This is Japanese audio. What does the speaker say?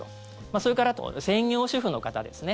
それからあと専業主婦の方ですね。